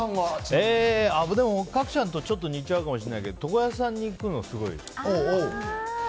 角ちゃんと似ちゃうかもしれないけど床屋さんに行くのがすごい。